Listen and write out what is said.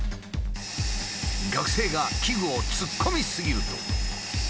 学生が器具を突っ込み過ぎると。